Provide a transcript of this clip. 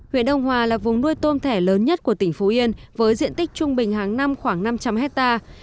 huyện đông hòa là vùng nuôi tôm thẻ lớn nhất của tỉnh phú yên với diện tích trung bình hàng năm khoảng năm trăm linh hectare